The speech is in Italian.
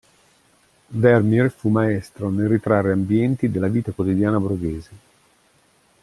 Vermeer fu maestro nel ritrarre ambienti della vita quotidiana borghese.